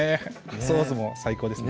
ソースも最高ですね